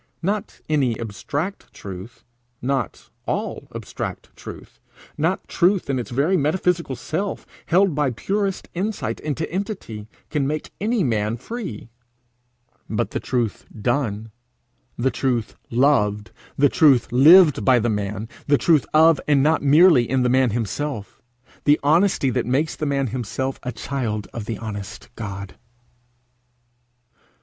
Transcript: Not any abstract truth, not all abstract truth, not truth its very metaphysical self, held by purest insight into entity, can make any man free; but the truth done, the truth loved, the truth lived by the man; the truth of and not merely in the man himself; the honesty that makes the man himself a child of the honest God.